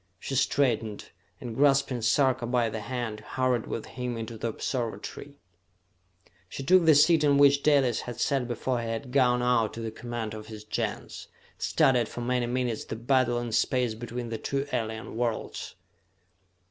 She straightened, and grasping Sarka by the hand, hurried with him into the observatory. She took the seat in which Dalis had sat before he had gone out to the command of his Gens, studied for many minutes the battle in space between the two alien worlds.